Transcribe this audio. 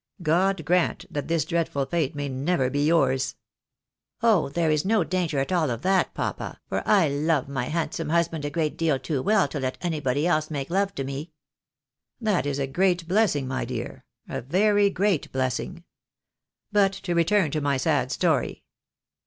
God grant that this dreadful fate may never be yours." " Oh ! there is no danger at all of that, papa, for I love my handsome husband a great deal too well to let anybody else make love to me." " That is a great blessing, my dear, a very great blessing. But to return to my sad story.